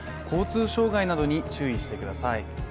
交通障害などに注意してください。